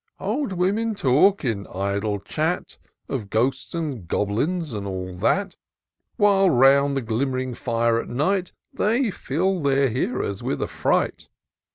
Old women talk, in idle chat, Of ghosts and goblins, and all that, While, round the glimm'ring fire at night, They fill their hearers with affiright.